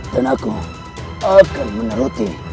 dan aku akan meneruti